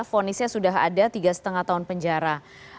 fonisnya sudah ada tiga lima tahun penjara